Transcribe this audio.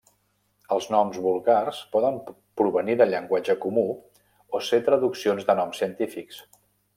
Els noms vulgars poden provenir del llenguatge comú o ser traduccions de noms científics.